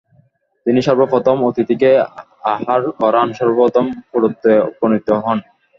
তিনিই সর্বপ্রথম অতিথিকে আহার করান, সর্বপ্রথম প্রৌঢ়ত্বে উপনীত হন।